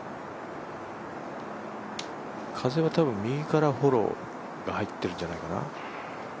風は多分、右からフォローが入ってるんじゃないかな。